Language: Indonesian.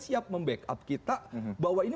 siap membackup kita bahwa ini